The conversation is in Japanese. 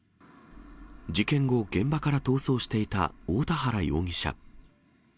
事件後、現場から逃走していた大田原容疑者。